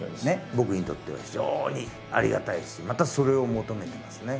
僕にとっては非常にありがたいしまたそれを求めてますね。